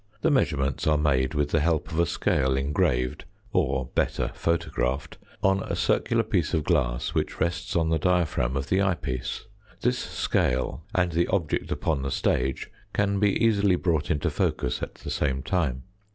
The measurements are made with the help of a scale engraved (or, better, photographed) on a circular piece of glass which rests on the diaphragm of the eyepiece. This scale and the object upon the stage can be easily brought into focus at the same time.